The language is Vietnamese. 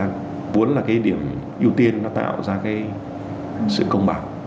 muốn là cái điểm ưu tiên nó tạo ra cái sự công bảo